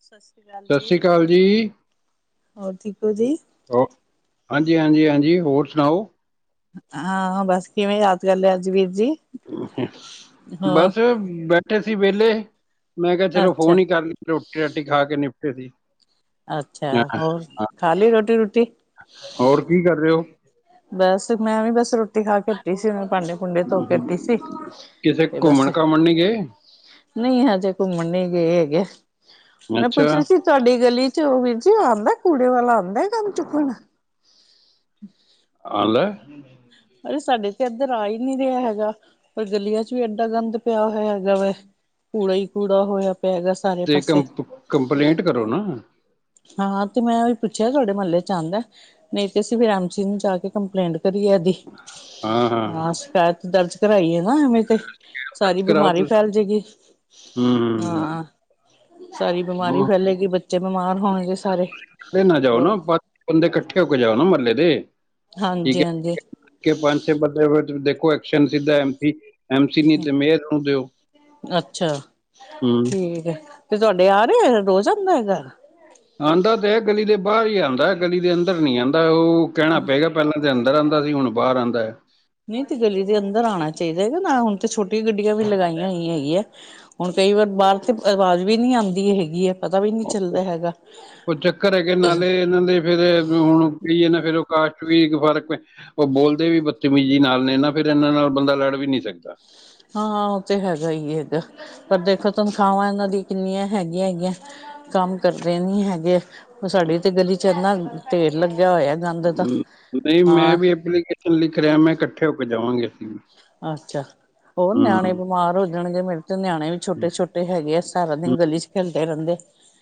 ਸਤਿ ਸ਼੍ਰੀ ਅਕਾਲ ਸਤਿ ਜੀ। ਸ੍ਰੀ ਅਕਾਲ ਜੀ, ਹੋਰ ਠੀਕ ਹੋ ਜੀ? ਹਾਂਜੀ, ਹਾਂਜੀ, ਹਾਂਜੀ, ਹੋਰ ਸੁਣਾਓ? ਹਾਂ ਬਸ ਕਿਵੇਂ ਯਾਦ ਕਰ ਲਿਆ ਅਜ ਵੀਰ ਜੀ? ਹੋਰ ਬਸ ਬੈਠੇ ਸੀ ਵੇਲੇ। ਮੈਂ ਕਿਹਾ ਚਲੋ ਅੱਛਾ ਫੋਨ ਹੀ ਕਰ ਲਈਏ ਰੋਟੀ ਰਾਟੀ ਖਾ ਕੇ ਨਿਪਟੇ ਸੀ। ਅੱਛਾ ਹਾਂ ਹੋਰ ਹਾਂ। ਖਾ ਲਈ ਰੋਟੀ ਰੂਟੀ ਹੋਰ ਕੀ ਕਰ ਰਹੇ ਹੋ? ਬਸ ਮੈਂ ਵੀ ਬਸ ਰੋਟੀ ਰੋਟੀ ਖਾ ਕੇ ਹਟੀ ਸੀ ਉਹਨੇ ਭਾਂਡੇ ਭੂੰਡੇ ਧੋ ਕੇ ਹਮ, ਹਟੀ ਸੀ ਕਿਸੇ ਤੇ ਬਸ ਘੁੰਮਣ ਘਾਮਣ ਨੀ ਗਏ? ਨਹੀਂ ਹਜੇ ਘੁੰਮਣ ਨਹੀਂ ਗਏ ਹੈਗੇ ਮੈਂ ਅੱਛਾ ਪੁੱਛਣਾ ਸੀ ਤੁਹਾਡੀ ਗਲੀ ਹੋਰ ਵੀਰ ਜੀ, ਆਉਂਦਾ, ਕੂੜੇ ਵਾਲਾ ਆਉਂਦਾ, ਗੰਦ ਚੁੱਕਣ? ਆ ਲੈ। ਅਰੇ ਸਾਡੇ ਤੇ ਇੱਧਰ ਆ ਹੀ ਨਹੀਂ ਰਿਹਾ ਹੈਗਾ ਪਰ ਗਲੀਆਂ 'ਚ ਵੀ ਐਡਾ ਗੰਦ ਪਿਆ ਹੋਇਆ ਹੈਗਾ ਵਾ ਕੂੜਾ ਹੀ ਕੂੜਾ ਹੋਇਆ। ਪਿਆ ਹੈਗਾ ਸਾਰੇ ਤੇ ਪਾਸੇ। ਕੰਪ ਕੰਪਲੇਂਟ ਕਰੋ ਨਾ। ਹਾਂ ਤੇ ਮੈਂ ਓਹੀ ਪੁੱਛਿਆ ਤੁਹਾਡੇ ਮਹੱਲੇ 'ਚ ਆਉਂਦਾ ਨਹੀਂ ਤੇ ਅਸੀਂ ਵੀ ਐਮ ਸੀ ਨੂੰ ਜਾ ਕੇ ਕੰਪਲੇਂਟ। ਕਰੀਏ ਇਹਦੀ ਹਾਂ ਸ਼ਿਕਾਇਤ ਦਰਜ ਕਰਾਈਏ ਨਾ ਐਵੇਂ ਤੇ ਸਾਰੀ ਦਰਜ ਕਰਾਓ ਬਿਮਾਰੀ ਤੁਸੀਂ ਫੈਲ ਜਾਏਗੀ ਹੂੰ। ਹਾਂ। ਸਾਰੀ ਬਿਮਾਰੀ ਫੈਲੇਗੀ ਬੱਚੇ ਬਿਮਾਰ ਹੋਣਗੇ। ਸਾਰੇ ਕੱਲੇ ਨਾ ਜਾਓ ਹੋਰ ਨਾ ਬੰਦੇ ਇਕੱਠੇ ਹੋ ਕੇ ਜਾਓ ਨਾ ਮਹੱਲੇ ਦੇ ਠੀਕ ਹਾਂਜੀ ਹੈ ਹਾਂਜੀ ਠੀਕ ਹੈ ਪੰਜ ਛੇ ਬੰਦੇ ਵਿੱਚ ਦੇਖੋ ਐਕਸ਼ਨ ਸਿੱਧਾ ਐਮ ਸੀ ਐਮ ਨਹੀਂ ਤੇ ਮੇਅਰ ਨੂੰ ਦਿਓ ਅੱਛਾ ਹੂੰ ਠੀਕ ਹੈ ਤੇ ਤੁਹਾਡੇ ਆ ਰਹੇ ਐ ਰੋਜ਼ ਆਂਦਾ ਹੈਗਾ। ਆਂਦਾ ਤੇ ਹੈ ਗਲੀ ਦੇ ਬਾਹਰ ਹੀ ਆਦਾ ਐ ਗਲੀ ਦੇ ਅੰਦਰ ਨੀ ਆਦਾ ਉਹ ਕਹਿਣਾ ਪਏਗਾ ਪਹਿਲਾਂ, ਤੇ ਅੰਦਰ ਆਦਾ ਸੀ ਹੁਣ ਬਾਹਰ ਆਦਾ ਐ ਨਹੀਂ ਤੇ ਗਲੀ ਦੇ ਅੰਦਰ ਆਣਾ ਚਾਹੀਦਾ ਹੈਗਾ ਨਾ ਹੁਣ ਤੇ ਛੋਟੀਆਂ ਗੱਡੀਆਂ ਵੀ ਲਗਾਈਆਂ ਹੀਈ ਹੈਗੀ ਹੈ ਹੁਣ ਕਈ ਵਾਰ ਬਾਹਰ ਤੇ ਆਵਾਜ਼ ਵੀ ਨਹੀਂ ਆਂਦੀ ਹੈਗੀ ਹੈ ਪਤਾ ਵੀ ਨਹੀਂ ਚੱਲਦਾ ਹੈਗਾ। ਉਹ ਚੱਕਰ ਹੈ ਕਿ ਨਾਲੇ ਇਹਨਾਂ ਦੇ ਫੇਰ ਹੁਣ ਗਈ ਇਹ ਨਾ ਫਿਰ ਉਹ ਕਾਸ਼ਟ ਵੀ, ਫ਼ਰਕ ਉਹ ਬੋਲਦੇ ਵੀ ਬਦਤਮੀਜ਼ੀ ਨਾਲ ਨੇ ਨਾ ਫਿਰ ਇਹਨਾਂ ਨਾਲ ਬੰਦਾ ਲੜ ਵੀ ਨਹੀਂ ਸਕਦਾ। ਹਾਂ-ਹਾਂ ਉਹ ਤਾਂ ਹੈਗਾ ਹੀ ਹੈਗਾ, ਪਰ ਦੇਖੋ ਤਨਖ਼ਾਹਾਂ ਇਹਨਾਂ ਦੀਆਂ ਕਿੰਨੀਆਂ ਹੈਗੀਆਂ ਹੈਗੀਆਂ। ਕੰਮ ਕਰਦੇ ਨੀ ਹੈਗੇ ਉਹ ਸਾਡੀ ਤੇ ਗਲੀ 'ਚ ਇੰਨਾ ਢੇਰ ਲੱਗ, ਹ ਨਹੀਂ ਮੈਂ ਵੀ ਐਪਲੀਕੇਸ਼ਨ ਲਿਖ ਰਿਹਾ ਮੈਂ ਇਕੱਠੇ ਹੋ ਕੇ ਜਾਵਾਂਗੇ ਅਸੀਂ ਵੀ ਅੱਛਾ ਹੋਰ ਨਿਆਣੇ ਹੂੰ ਬਿਮਾਰ ਹੋ ਜਾਣਗੇੇ ਮੇਰੇ, ਤੇ ਨਿਆਣੇ ਵੀ ਹੂੰ ਛੋਟੇ-ਛੋਟੇ ਹੈਗੇ ਆ ਸਾਰਾ ਦਿਨ ਗਲੀ ਚ ਖੇਲਦੇ ਰਹਿੰਦੇ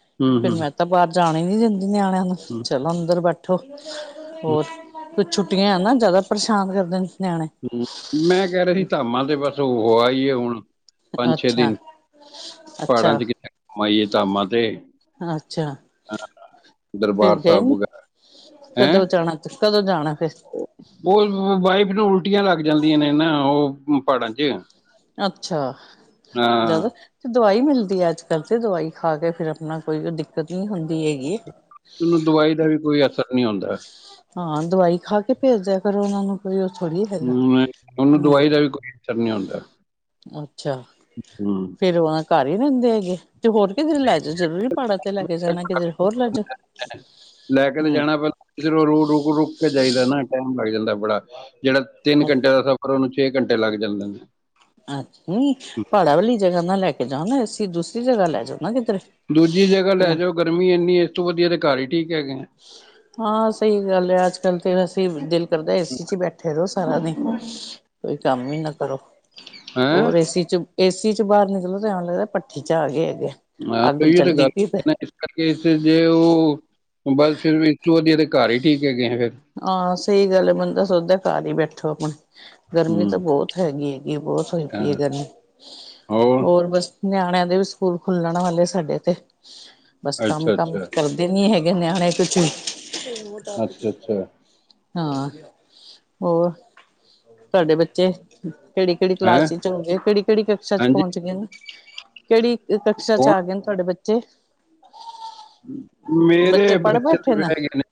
ਹੂੰ ਫਿਰ ਹੂੰ, ਮੈਂ ਤਾਂ ਬਾਹਰ ਜਾਣ ਣੀ ਨੀ ਦਿੰਦੀ ਨਿਆਣਿਆਂ ਨੂੰ ਹੂੰ ਚਲੋ ਅੰਦਰ ਬੈਠੋ, ਹੋਰ ਕੁਛ ਛੁੱਟੀਆਂ ਐ ਨਾ ਜ਼ਿਆਦਾ ਪਰੇਸ਼ਾਨ ਕਰਦੇ ਨੇ ਨਿਆਣੇ ਹ ਮੈਂ ਕਹਿ ਰਿਹਾ ਸੀ ਧਾਮਾਂ ਤੇ ਬਸ ਉਹ ਆ ਹੀ ਹੈ ਹੁਣ ਪੰਜ ਛੇ ਅੱਛਾ ਦਿਨ ਪਹਾੜਾਂ ਅੱਛਾ 'ਚ ਕਿਤੇ ਘੁੰਮ ਆਈਏ ਧਾਮਾਂ 'ਤੇ ਅੱਛਾ, ਫਿਰ ਦਰਬਾਰ ਗਏ ਸਾਹਿਬ ਨੀ ਵਗੈਰਾ ਹੈਂ ਕਦੋਂ ਜਾਣਾ ਕਦੋਂ ਜਾਣਾ ਫਿਰ ਉਹ ਵਾਈਪ ਨੂੰ ਉਲਟੀਆਂ ਲੱਗ ਜਾਂਦੀਆਂ ਨੇ ਨਾ ਉਹ ਪਹਾੜਾਂ ਚ ਅੱਛਾ ਜ਼ਿਆਦਾ, ਹਾਂ ਦਵਾਈ ਮਿਲਦੀ ਹੈ ਅੱਜ-ਕੱਲ੍ਹ ਤੇ ਦਵਾਈ ਖਾ ਕੇ ਫਿਰ ਆਪਣਾ ਕੋਈ ਦਿੱਕਤ ਨੀ ਹੁੰਦੀ। ਹੈਗੀ ਉਹਨੂੰ ਦਵਾਈ ਦਾ ਵੀ ਕੋਈ ਅਸਰ ਨਹੀਂ ਹੁੰਦਾ ਹਾਂ ਦਵਾਈ, ਖਾ ਕੇ ਭੇਜਦਿਆਂ ਕਰੋ ਉਹਨਾਂ ਨੂੰ ਕੋਈ ਥੋੜ੍ਹੀ ਹੈਗਾ ਹੂੰ ਉਹਨੂੰ ਹਮ ਦਵਾਈ ਦਾ ਵੀ ਕੋਈ ਅਸਰ ਨਹੀਂ ਹੁੰਦਾ। ਅੱਛਾ ਹੂੰ ਫਿਰ ਉਹ ਆ ਘਰ ਹੀ ਰਹਿੰਦੇ ਹੈਗੇ। ਤੇ ਹੋਰ ਕਿਧਰੇ ਲੈ ਜੋ ਜ਼ਰੂਰੀ ਪਾੜਾ ਤੇ ਲੈ ਕੇ ਜਾਣਾ ਕਿਧਰੇ ਹੋਰ ਲੈ ਜੋ ਲੈ ਕੇ ਤੇ ਜਾਣਾ ਪਹਿਲਾਂ ਫੇਰ ਉਹ ਰੂ ਰੁਕ ਰੁਕ ਕੇ ਜਾਈਦਾ ਨਾ ਟਾਈਮ ਲੱਗ ਜਾਂਦਾ ਬੜਾ ਜਿਹੜਾ ਤਿੰਨ ਘੰਟੇ ਦਾ ਸਫ਼ਰ ਉਹਨੂੰ ਛੇ ਘੰਟੇ ਲੱਗ ਜਾਂਦੇ ਨੇ, ਅੱਛਾ ਨੀ ਪਾੜ੍ਹਾ ਵਾਲੀ ਜਗ੍ਹਾ ਨਾ ਲੈ ਕੇ ਜਾਓ ਨਾ ਅਸੀਂ ਦੂਸਰੀ ਜਗ੍ਹਾ ਲੈ ਜਾਓ। ਨਾ ਕਿਧਰੇ ਦੂਜੀ ਜਗ੍ਹਾ ਲੈ ਜਾਓ ਗਰਮੀ ਇੰਨੀ ਇਸ ਤੋਂ ਵਧੀਆ ਤੇ ਘਰ ਹੀ, ਹ ਹਾਂ ਸਹੀ ਗੱਲ ਹੈ ਅੱਜ ਕੱਲ੍ਹ ਤੇ ਫਿਰ ਅਸੀਂ ਦਿਲ ਕਰਦਾ ਏ ਸੀ 'ਚ ਬੈਠੇ ਰਹੋ ਸਾਰਾ ਦਿਨ ਕੋਈ ਕੰਮ ਹੀ ਨਾ ਕਰੋ ਹੈਂ ਹੋਰ ਏਸੀ ਚ ਏਸੀ ਚ ਬਾਹਰ ਨਿਕਲੋ ਤੇ ਆਉਣ ਲੱਗਦਾ ਪੱਠੀ ਚ ਆ ਗਏ। ਅੱਗ ਚੱਲਦੀ ਪਈ ਤੇ [unintelligible] ਇਸ ਕਰਕੇ ਏਸ ਜੇ ਉਹ ਬਸ ਫਿਰ ਇਸ ਤੋਂ ਵਧੀਆ ਦੇ ਘਰ ਹੀ ਠੀਕ ਹੈਗੇ। ਆ ਫਿਰ ਹਾਂ ਸਹੀ ਗੱਲ ਐ ਬੰਦਾ ਸੋਚਦਾ ਹੈ ਘਰ ਹੀ ਬੈਠੋ ਆਪਣੇ ਗਰਮੀ ਹੂੰ ਤਾਂ ਬਹੁਤ ਹੈਗੀ-ਹੈਗੀ ਬਹੁਤ ਹੋਈ ਹਾਂ ਪਈ ਹੈ ਗਰਮੀ ਹੋਰ ਬਸ ਨਿਆਣਿਆਂ, ਦੇ ਵੀ ਸਕੂਲ ਖੁੱਲਣ ਵਾਲੇ ਸਾਡੇ ਤੇ ਬਸ ਅੱਛਾ ਕੰਮ-ਕੰਮ ਅੱਛਾ ਕਰਦੇ ਨੀ ਹੈਗੇ। ਨਿਆਣੇ ਕੁਛ ਵੀ, ਅੱਛਾ ਅੱਛਾ ਹਾਂ ਹੋਰ ਤੁਹਾਡੇ ਬੱਚੇ, ਕਿਹੜੀ-ਕਿਹੜੀ ਹੈਂ ਕਲਾਸ ਚ ਹੋਗੇ ਕਿਹੜੀ-ਕਿਹੜੀ ਕਿਕਸ਼ ਚ ਹਾਂਜੀ ਪਹੁੰਚ ਗਏ ਨੇ ਕਿਹੜੀ ਕਕਸ਼ਾ ਚ ਕੌਣ ਆ ਗਏ ਨੇ ਤੁਹਾਡੇ ਬੱਚੇ ਮੇਰੇ ਬੱਚੇ ਦੇ ਹੈਗੇ ਨੇ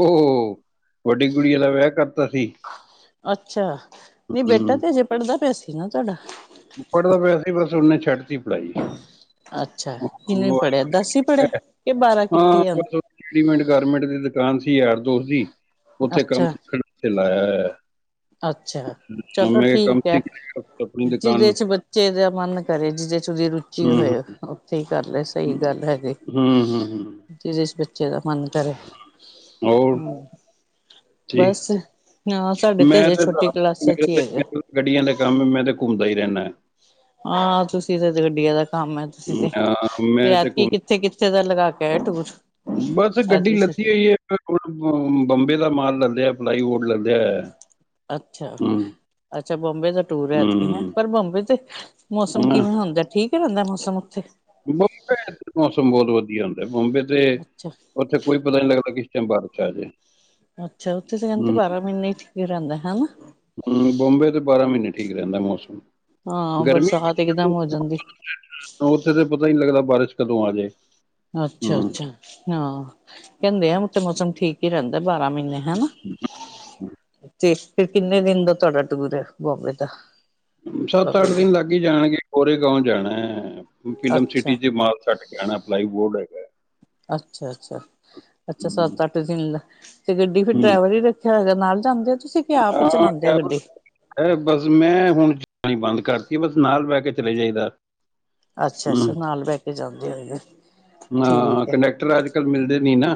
ਉਹ, ਵੱਡੀ ਕੁੜੀ ਦਾ ਵਿਆਹ ਕਰਤਾ ਸੀ। ਅੱਛਾ ਨਹੀਂ ਬੇਟਾ ਹੂੰ ਤੇ ਅਜੇ ਪੜ੍ਹਦਾ ਪਿਆ ਸੀ ਨਾ ਤੁਹਾਡਾ ਪੜਦਾ ਪਿਆ ਸੀ ਬਸ ਨੇ ਛੱਡ ਤੀ ਪੜਾਈ ਅੱਛਾ ਕਿੰਨਵੀਂ ਪੜ੍ਹਿਆ ਦਸ ਹੀ ਪੜ੍ਹਿਆ ਕਿ ਬਾਰਾਂ ਹਾਂ ਕੀਤੀ ਹੈ ਹੁਣ? ਬਸ ਰਡੀਮੇਡ ਗਾਰਮੈਂਟ ਦੀ ਦੁਕਾਨ ਸੀ। ਯਾਰ ਦੋਸ ਦੀ ਉੱਥੇ ਕੰਮ ਅੱਛਾ ਸਿੱਖਣ ਲਾਇਆ ਹੋਇਆ ਅੱਛਾ ਚਲੋ ਠੀਕ ਹੈ, ਸਿੱਖ ਆਪਣੀ ਜਿਹਦੇ ਦੁਕਾਨ ਚ ਬੱਚੇ ਦਾ ਮਨ ਕਰੇ ਜਿਹਦੇ ਚ ਉਹਦੀ ਰੁਚੀ ਹੂੰ ਹੋਏ ਉੱਥੇ ਹੀ ਕਰਲੇ ਸਹੀ ਗੱਲ ਹੈਗੀ ਹੂੰ-ਹੂੰ-ਹੂੰ, ਜਿਦੇ ਚ ਬੱਚੇ ਦਾ ਮਨ ਕਰੇ ਹੋਰ ਹਾ ਜੀ ਬਸ ਹਾਂ ਸਾਡੇ, ਮੈਂ ਹਜੇ ਤੇ ਛੋਟੀ ਕਲਾਸਾਂ ਚ ਹੀ ਹੈਗਾ ਗੱਡੀਆਂ ਦਾ ਕੰਮ ਮੈਂ ਤੇ ਘੁੰਮਦਾ ਹੀ ਰਹਿੰਦਾ। ਹਾਂ ਤੁਸੀਂ ਗੱਡੀਆਂ ਦਾ, ਕੰਮ ਹੈ ਤੁਸੀਂ ਹਾਂ ਤੇ ਮੈਂ ਤੇ ਐਤਕੀ ਘੁੰਮ ਕਿੱਥੇ-ਕਿੱਥੇ ਦਾ ਲਗਾ ਕੇ ਆ ਟੂਰ? ਬਸ ਗੱਡੀ ਐਤਕੀ ਲੱਦੀ ਹੋਈ ਹੈ ਬੰਬੇ ਦਾ ਮਾਲ ਲਦਿਆ ਪਲਾਈਡ ਲੱਦਿਆ ਹੋਈਆ ਅੱਛਾ, ਅੱਛਾ ਬੰਬੇ ਦਾ ਟੂਰ ਐਤਕੀ ਹੈਂ ਹੂੰ, ਪਰ ਬੰਬੇ ਤੇ ਮੌਸਮ ਹਨਾ ਕਿਵੇਂ ਹੁੰਦਾ ਠੀਕ, ਕੀ ਬੰਦਾ ਮੌਸਮ ਉੱਥੇ, ਬੰਬੇ ਮੌਸਮ ਬਹੁਤ ਵਧੀਆ ਹੁੰਦਾ ਬੰਬੇ ਤੇ ਅੱਛਾ, ਉੱਥੇ ਕੋਈ ਪਤਾ ਨੀ ਲੱਗਦਾ। ਕਿਸ ਟਾਈਮ ਬਾਰਿਸ਼ ਆਜੇ, ਅੱਛਾ ਉੱਥੇ ਤਾਂ ਕਹਿੰਦੇ ਬਾਰਾਂ ਮਹੀਨੇ ਹੀ ਠੀਕ ਹੀ ਰਹਿੰਦਾ ਹਨਾ। ਹੂੰ ਬੰਬੇ ਤੋਂ ਬਾਰਾਂ ਮਹੀਨੇ ਠੀਕ ਰਹਿੰਦਾ ਮੌਸਮ ਹਾਂ ਗਰਮੀ ਬਰਸਾਤ ਇਕਦਮ ਹੋ ਜਾਂਦੀ, ਉੱਥੇ ਤਾਂ ਪਤਾ ਹੀ ਲੱਗਦਾ ਬਾਰਿਸ਼, ਕਦੋਂ ਆਜੇ, ਅੱਛਾ-ਅੱਛਾ ਹਾਂ ਕਹਿੰਦੇ ਆ ਉੱਥੇ ਮੌਸਮ ਠੀਕ ਹੀ ਰਹਿੰਦਾ। ਬਾਰਾਂ ਮਹੀਨੇ ਹਨਾ ਤੇ, ਫਿਰ ਕਿੰਨੇ ਦਿਨ ਦਾ ਤੁਹਾਡਾ ਟੂਰ ਹੈ ਬੰਬੇ ਦਾ? ਸੱਤ ਅੱਠ ਦਿਨ ਅੱਛਾ, ਲੱਗ ਹੀਈ ਜਾਣਗੇ ਕੋੋਰੇ ਗਾਓ ਜਾਣਾ, ਫਿਲਮ ਸਿਟੀ ਚ ਮਾਲ ਸਟ ਕੇ ਆਣਾ ਪਲਾਈ ਬੋਰਡ ਹੈ ਹੈਗਾ ਅੱਛਾ-ਅੱਛਾ-ਅੱਛਾ ਹੂੰ ਸੱਤ ਅੱਠ ਦਿਨ ਦਾ ਤੇ ਗੱਡੀ ਫਿਰ ਡਰਾਈਵਰ ਹੀ ਰੱਖਿਆ ਹੈਗਾ ਨਾਲ ਜਾਂਦੇ, ਤੁਸੀਂ ਕਿ ਆਪ ਹੀ ਚਲਾਉਂਦੇ ਹੋ ਗੱਡੀ? ਹ ਬਸ ਮੈਂ ਹੁਣ ਜਾਣੀ ਬੰਦ ਕਰ ਦਿਤਾ। ਬਸ ਨਾਲ ਬਹਿ ਕੇ ਚਲੇ ਜਾਈਦਾ, ਅੱਛਾ-ਅੱਛਾ ਹੂੰ ਨਾਲ ਬਹਿ ਕੇ ਜਾਂਦੇ ਆਗੇ, ਹਾਂ ਕੰਡੈਕਟਰ ਅੱਜ'ਕੱਲ ਮਿਲਦੇ ਨੀ ਨਾ,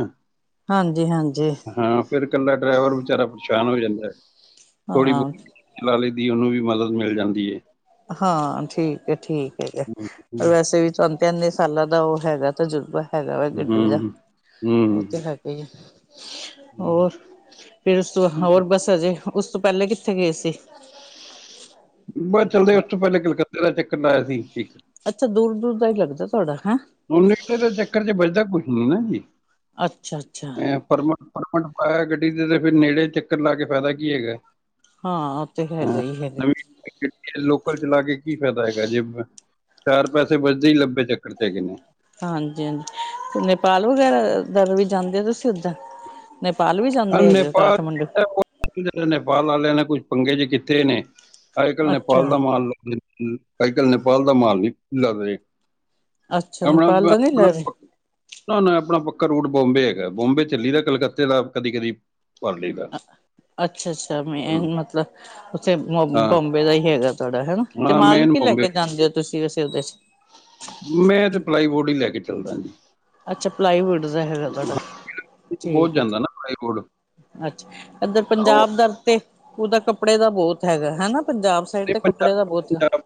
ਹਾਂਜੀ ਹਾਂਜੀ ਹਾਂ ਫੇਰ ਇਕੱਲਾ ਡਰਾਈਵਰ ਵਿਚਾਰਾ ਪਰੇਸ਼ਾਨ ਹੋ ਜਾਂਦਾ ਹੈ। ਥੋੜੀ ਹਾਂ ਬਹੁਤ ਲੈ ਲਈ ਦੀ ਉਹਨੂੰ ਵੀ ਮਦਦ ਮਿਲ ਜਾਂਦੀ ਹੈ। ਹਾਂ ਠੀਕ ਹੈ ਠੀਕ ਹੈਗਾ ਹੂੰ ਵੈਸੇ ਵੀ ਤੁਹਾਨੂੰ ਸਾਲਾਂ ਦਾ ਉਹ ਹੈਗਾ ਤਜੁਰਬਾ, ਹੈਗਾ ਵਾ ਗੱਡੀ ਦਾ ਹੂੰ ਉਹ ਤੇ ਹੂੰ ਹੈਗਾ ਹੀ, ਹੂੰ। ਹੋਰ ਫਿਰ ਉਸ ਤੋਂ ਹੋਰ ਬਸ ਅਜੇ, ਉਸ ਤੋਂ ਪਹਿਲੇ ਕਿੱਥੇ ਗਏ ਸੀ ਬਸ ਚੱਲਦੇ ਉਸ ਤੋਂ ਪਹਿਲੇ ਕਲਕੱਤੇ ਦਾ ਚੱਕਰ ਲਾਇਆ ਸੀ। ਅੱਛਾ ਦੂਰ-ਦੂਰ ਦਾ ਹੀ ਲੱਗਦਾ ਤੁਹਾਡਾ ਚੱਕਰ ਚ ਬਜਦਾ ਕੁਛ ਨੀ ਅੱਛਾ ਅੱਛਾ ਨਾ ਪ ਆ ਗੱਡੀ ਦੇ ਤੇ ਫਿਰ ਨੇੜੇ ਚੱਕਰ ਲਾ ਕੇ ਫਾਇਦਾ ਕੀ ਹੈਗਾ ਹਾਂ ਉਹ ਤੇ ਹੈਗਾ ਹਾਂ, ਹੀ ਹੈਗਾ, ਨਵੀਂ ਲੋਕਲ ਚਲਾ ਕੇ ਕੀ ਫਾਇਦਾ ਹੈਗਾ ਜੇ ਚਾਰ ਪੈਸੇ ਵਜਦੇ ਹੀ ਲੱਬੇ ਚੱਕਰ ਚ ਹੈਗੇ ਨੇ, ਹਾਂਜੀ-ਹਾਂਜੀ ਤੇ ਨੇਪਾਲ ਵਗੈਰਾ ਦਾ ਵੀ ਜਾਂਦੇ ਹੋ ਤੁਸੀਂ ਉਧਰ ਹ ਨੇਪਾਲ ਨੇਪਾਲ ਆ ਲਿਆ ਨੇ ਕੁਛ, ਪੰਗੇ ਜੀ ਕਿੱਥੇ ਨੇ ਅੱਜ-ਕੱਲ੍ਹ ਨੇਪਾਲ ਅੱਛਾ ਦਾ ਮਾਲ ਅੱਜ-ਕੱਲ੍ਹ ਨੇਪਾਲ ਦਾ ਮਾਲ ਨੀ ਲੱਗ ਰਹੇ, ਅੱਛਾ ਨੇਪਾਲ ਦਾ ਨੀ ਲੈ ਰਹੇ ਆਪਣਾ-ਆਪਣਾ-ਆਪਣਾ ਪੱਕਾ ਰੂਟ ਬਬੇ ਹੈ, ਬੋਮਬੇ ਚੱਲੀ ਦਾ ਕਲਕੱਤੇ ਦਾ ਕਦੀ-ਕਦੀ, ਅੱਛਾ-ਅੱਛਾ ਮੇ ਹਮ, ਮਤਲਬ ਥੇ ਹਾਂ ਬੋਂਬੇ ਦਾ ਹੀ ਹੈਗਾ ਤੁਹਾਡਾ ਹੈਨਾ ਤੇ ਹਾਂ ਮੇਨ ਮਾਲਕੀ ਲੈ ਬੰਬੇ ਕੇ ਜਾਂਦੇ ਹੋ ਤੁਸੀਂ ਵਸੇ ਉਹਦੇ ਚ ਮੈਂ ਤੇ ਪਲਾਈ ਬੋਰਡ ਹੀ ਲੈ ਕੇ ਚੱਲਦਾ ਜੀ। ਅੱਛਾ ਪਲਾਈਵੁਡ ਦਾ ਹੈਗਾ ਤੁਹਾਡਾ ਬਹੁਤ ਠੀਕ ਹੈ। ਜਾਂਦਾ ਨਾ ਪਲਾਈਵੁੱਡ ਅੱਛਾ ਇੱਧਰ ਉਹ ਪੰਜਾਬ ਦਰ ਤੇ ਉਹ ਤਾਂ ਕੱਪੜੇ ਦਾ ਬਹੁਤ ਹੈਗਾ ਹੈ ਨਾ। ਪੰਜ ਪੰਜ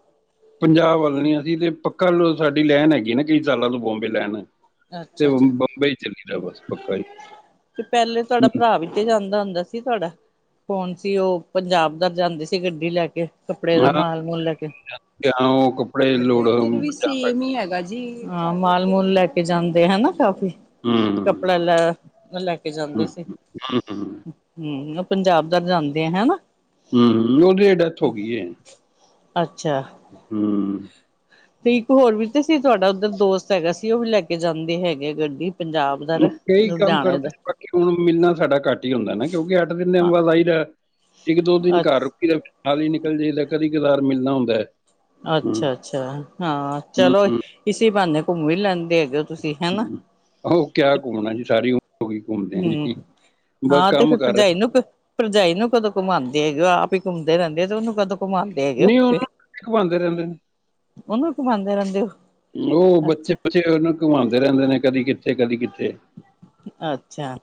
ਪੰਜਾਬ ਵੱਲ ਨ ਅਸੀਂ ਤੇ ਪੱਕਾ ਸਾਡੀ ਲੈਣ ਹੈਗੀ। ਜੇ ਨਾ ਕਈ ਸਾਲਾਂ ਤੋਂ ਬੰਬੇ ਲੈਣ ਤੇ ਅੱਛਾ-ਅੱਛਾ ਬੰਬਈ ਚੱਲੀ ਦਾ ਬਸ ਪੱਕਾ ਹੀ। ਤੇ ਪਹਿਲੇ ਤੁਹਾਡਾ ਹੂੰ ਭਰਾ ਵੀ ਤੇ ਜਾਂਦਾ ਹੁੰਦਾ ਸੀ ਤੁਹਾਡਾ ਕੌਣ ਸੀ ਉਹ ਪੰਜਾਬ ਤਾਂ ਜਾਂਦੀ ਸੀ ਗੱਡੀ ਲੈ ਕੇ ਕੱਪੜੇ ਦਾ ਹਾਂ ਮਾਲ ਮੂਲ ਲੈ ਕੇ ਜਾਂ ਉਹ ਕੱਪੜੇ ਸਾਡੇ ਲੋੜ ਇਧਰ ਵੀ ਪੰਜਾਬ ਸੇਮ ਤੱਕ ਹੀ ਹੈਗਾ ਜੀ। ਹਾਂ ਮਾਲ ਮੂਲ ਲੈ ਕੇ ਜਾਂਦੇ ਹੈ ਨਾ ਕਾਫੀ। ਹੂੰ ਹੂੰ ਕੱਪੜਾ ਲੈ ਲੈ ਕੇ ਜਾਂਦੇ ਹੂੰ ਸੀ ਹੂੰ ਹਮ ਪੰਜਾਬ ਦਾ ਜਾਂਦੇ ਆ ਹਨਾ ਹਮ ਉਹਦੇ ਡੈਥ ਹੋ ਗਈ ਹੈ। ਅੱਛਾ। ਹਮ ਤੇ ਇੱਕ ਹੋਰ ਵੀ ਤੇ ਸੀ ਤੁਹਾਡਾ ਉੱਧਰ ਦੋਸਤ ਹੈਗਾ ਸੀ ਉਹ ਵੀ ਲੈ ਕੇ ਜਾਂਦੇ ਹੈਗੇ ਗੱਡੀ ਪੰਜਾਬ ਦਾ ਕਈ ਕੰਮ ਲੁਧਿਆਣੇ ਕਰਦੇ ਦਾ ਨੇ ਬਾਕੀ ਹੁਣ ਮਿਲਣਾ ਸਾਡਾ ਘੱਟ ਹੀ ਹੁੰਦਾ ਨਾ ਕਿਉਂਕਿ ਅੱਠ ਦਿਨ ਦੇ ਅ ਬਾਦ ਆਈ ਦਾ ਇੱਕ ਦੋ ਦਿਨ ਘਰ ਰੁਕੀ ਦਾ ਨਾਲ ਹੀ ਨਿਕਲ ਜਾਈਦਾ ਕਦੀ ਕਦਾਰ ਮਿਲਣਾ ਹੁੰਦਾ ਹੈ। ਹੂੰ ਅੱਛਾ ਅੱਛਾ ਹਾਂ ਹੂੰ, ਚਲੋ ਹੂੰ ਇਸੀ ਬਹਾਨੇ ਘੁੰਮ ਵੀ ਲੈਂਦੇ। ਦੇਖ ਦਿਓ ਤੁਸੀਂ ਹੈ ਨਾ। ਹੂੰ। ਉਹ ਕਿਆ ਘੁੰਮਣਾ ਜੀ ਸਾਰੀ ਉਮਰ ਹੋ ਗਈ ਘੁੰਮਦੇ ਆ ਹਮ ਜੀ ਬਸ ਹਾਂ ਤੇ ਕੰਮ ਫਿਰ ਕਰ ਭਰਜਾਈ ਨੂੰ ਭਰਜਾਈ ਨੂੰ ਕਦੋਂ ਘਮਾਉਂਦੇ ਹੈਗੇ। ਆਪ ਹੀ ਘੁੰਮਦੇ ਰਹਿੰਦੇ ਆ ਤੇ ਉਹਨੂੰ ਕਦੋਂ ਘੁਮਾਉਂਦੇ ਹੈਗੇ ਹੋ ਨਹੀਂ ਉਹਨੂੰ ਫਿਰ। ਵੀ ਘੁਮਾਉਂਦੇ ਰਹਿੰਦੇ ਨੇ। ਉਹਨੂੰ ਘੁਮਾਉਂਦੇ ਰਹਿੰਦੇ ਹੋ ਉਹ ਬੱਚੇ ਅੱਛਾ ਬੱਚੇ ਉਹਨੂੰ ਘੁਮਾਉਂਦੇ ਰਹਿੰਦੇ ਨੇ ਕਦੀ ਕਿੱਥੇ ਕਦੀ ਕਿੱਥੇ। ਅੱਛਾ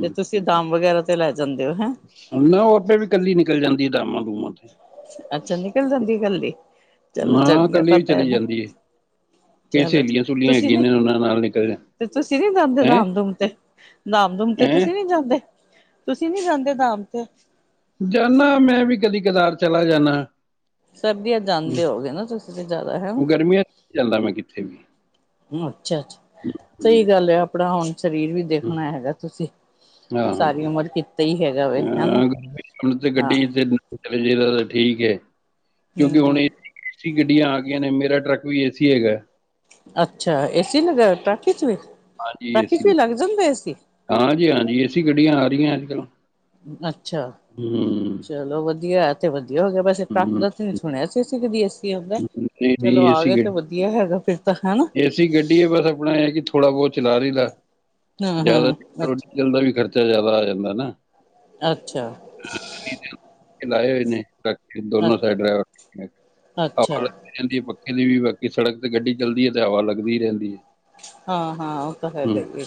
ਤੇ ਤੁਸੀਂ ਦਮ ਵਗੈਰਾ ਤੇ ਲੈ ਜਾਂਦੇ ਹੋ ਹੈਂ ਨਾ ਉਹ ਆਪੇ ਵੀ ਕੱਲੀ ਨਿਕਲ ਜਾਂਦੀ ਦਮਾਂ ਅੱਛਾ ਨਿਕਲ ਜਾਂਦੀ ਗੱਲੀ ਚਲੋ ਨਾ ਚੰਗਾ ਇਕੱਲੀ ਵੀ ਪਤਾ ਚਲੀ ਨਾ ਜਾਂਦੀ ਹੈ। ਫਿਰ ਚਲੋ ਸਹੇਲੀਆਂ ਸੂਲੀਆਂ ਤੁਸੀਂ ਹੈਗੀਆਂ ਨੀ ਨੇ ਉਹਨਾਂ ਨਾਲ ਨਿਕਲ। ਤੇ ਤੁਸੀਂ ਨੀ ਜਾਂਦੇ ਹੈ ਧਾਮ ਧੂਮ ਤੇ ਧਾਮ ਧੂਮ ਤੇ ਤੁਸੀਂ ਨੀ ਜਾਂਦੇ। ਤੁਸੀਂ ਨੀ ਜਾਂਦੇ ਧਾਮ ਤੇ ਜਾਂਦਾ ਮੈਂ ਵੀ ਕਦੀ ਕਦਾਰ ਚਲਾ ਜਾਂਦਾ। ਸਰਦੀ ਵਿੱਚ ਜਾਂਦੇ ਹੋਵੋਗੇ ਨਾ ਤੁਸੀਂ ਤਾਂ ਜ਼ਿਆਦਾ ਹੈ। ਗਰਮੀਆਂ 'ਚ ਨਹੀਂ ਜਾਂਦਾ ਮੈਂ ਕਿੱਥੇ ਵੀ ਅੱਛਾ-ਅੱਛਾ ਹੂੰ, ਸਹੀ ਗੱਲ ਹੈ ਆਪਣਾ ਹੁਣ ਸਰੀਰ ਵੀ ਦੇਖਣਾ ਹੈਗਾ ਤੁਸੀਂ, ਆਹ ਸਾਰੀ ਉਮਰ ਕੀਤਾ ਹੀ ਹੈਗਾ ਵ ਹਨਾ ਅ ਹੁਣ ਹਾਂ ਗੱਡੀ ਜੀ ਦਾ ਤਾਂ ਠੀਕ ਹੈ। ਹਮ ਕਿਉਂਕਿ ਹੁਣ ਹਮ ਏਸੀ ਗੱਡੀਆਂ ਆ ਗਈਆਂ ਨੇ ਮੇਰਾ ਟਰੱਕ ਵੀ ਏ ਸੀ ਹੈਗਾ ਅੱਛਾ ਏ ਸੀ ਲੱਗਿਆ ਟਰੱਕ ਚ ਵੀ? ਹਾਂਜੀ ਏ ਟਾਕੀ ਸੀ ਚ ਵੀ ਲੱਗ ਜਾਂਦਾ ਏਸੀ ਲੱਗਿਆ ਹਾਂਜੀ ਹਾਂਜੀ ਏਸੀ ਗੱਡੀਆਂ ਆ ਰਹੀਆਂ ਅੱਜ ਕੱਲ ਅੱਛਾ ਚਲੋ ਵਧੀਆ। ਵਧੀਆ ਹੋ ਗਿਆ ਬਸ ਟਰੱਕ ਹੂੰ ਦਾ ਤਾਂ ਅਸੀਂ ਨੀ ਸੁਣਿਆ ਸੀ ਕਦੀ ਏਸੀ। ਆਉਂਦਾ। ਨਹੀਂ ਚਲੋ ਨਹੀਂ ਏ ਆ ਸੀ ਗਏ ਤੇ ਗੱ ਵਧੀਆ ਹੈਗਾ ਫਿਰ ਤਾਂ ਹਨਾ ਏਸੀ ਗੱਡੀ ਹੈ ਬਸ ਆਪਣਾ ਇਹ ਕਿ ਥੋੜਾ ਬਹੁਤ ਉਹ ਚਲਾ ਰਹੇ। ਹਾਂ ਜ਼ਿਆਦਾ ਹਾਂ ਅੱਛਾ ਪੈਟਰੋਲ ਦਾ ਵੀ ਖਰਚਾ ਜਿਆਦਾ ਆ ਜਾਂਦਾ ਨਾ। ਅੱਛਾ ਲਾਏ ਹੋਏ ਨੇ ਰੱਖ ਕੇ ਅ ਦੋਨੋ ਸਾਈਡ ਡਰਾਈਵਰ ਅੱਛਾ ਪੱਖੇ ਦੀ ਵੀ ਬਾਕੀ ਸੜਕ ਤੇ ਗੱਡੀ ਚੱਲਦੀ ਹੈ ਤੇ ਹਵਾ ਲੱਗਦੀ ਹੀ ਰਹਿੰਦੀ ਹੈ। ਹਾਂ ਹਾਂ ਉਹ ਤਾਂ ਹੈਗਾ ਹੂੰ ਈਏ।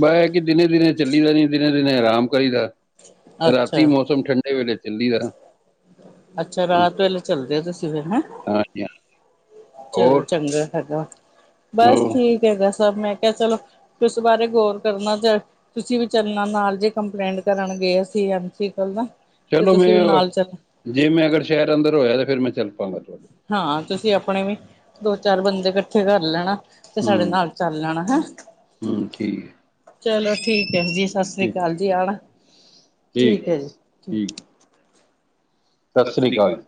ਬਾ ਇਹ ਹੈ ਕਿ ਦਿਨੇ ਦਿਨੇ ਚੱਲੀ ਦਾ ਜੀ ਦਿਨੇ ਦਿਨੇ ਆਰਾਮ ਕਰੀਦਾ ਰਾਤੀ ਅੱਛਾ। ਮੌਸਮ ਠੰਡੇ ਵੇਲੇ ਦਿੱਲੀ ਦਾ ਅੱਛਾ ਰਾਤ ਵੇਲੇ ਚੱਲਦੇ ਹੋ ਤੁਸੀਂ ਫਿਰ ਹੈ। ਹਾਂਜੀ ਹਾਂ ਚਲੋ ਹੋਰ ਚੰਗਾ ਹੈਗਾ ਬਸ ਹੋਰ ਠੀਕ ਹੈ ਬਸ। ਬਸ ਮੈਂ ਕਿਹਾ ਚਲੋ ਉਸ ਬਾਰੇ ਗੌਰ ਕਰਨਾ ਤੁਸੀਂ ਵੀ ਚੱਲਣਾ ਨਾਲ ਜੇ ਕੰਪਲੇਂਟ ਕਰਨਗੇ। ਗਏ ਸੀ ਐਮ ਸੀ ਕੋਲ ਨਾ, ਤੇ ਚਲੋ ਤੁਸੀਂ ਵੀ ਮੈਂ ਨਾਲ ਚੱਲ ਜੇ ਮੈਂ ਅਗਰ ਸ਼ਹਿਰ ਅੰਦਰ ਹੋਇਆ ਤੇ ਫੇਰ ਮੈਂ ਚੱਲ ਪਾਵਾਗਾ। ਹਾਂ ਤੁਸੀਂ ਆਪਣੇ ਵੀ ਦੋ ਚਾਰ ਬੰਦੇ ਇਕੱਠੇ ਕਰ ਲੈਣਾ। ਤੇ ਸਾਡੇ ਹੂੰ ਨਾਲ ਚੱਲ ਲੈਣਾ ਹੈਂ ਹੂੰ ਠੀਕ ਹੈ। ਚਲੋ ਠੀਕ, ਜੀ ਸਤਿ ਸ੍ਰੀ ਠੀਕ ਅਕਾਲ ਜੀ ਆਣਾ ਠੀਕ ਹੈ ਜੀ, ਠੀਕ ਸਤਿ ਸ੍ਰੀ ਅਕਾਲ